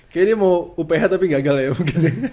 kayaknya ini mau uph tapi gagal ya mungkin